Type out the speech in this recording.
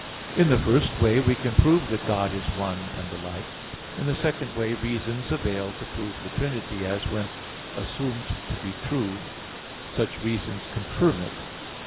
In the first way, we can prove that God is one; and the like. In the second way, reasons avail to prove the Trinity; as, when assumed to be true, such reasons confirm it.